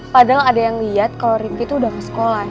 padahal ada yang liat kalo rifki tuh udah masuk sekolah